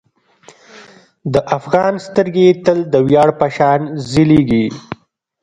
د افغان سترګې تل د ویاړ په شان ځلیږي.